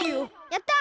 やった！